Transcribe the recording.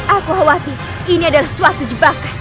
aku khawatir ini adalah suatu jebakan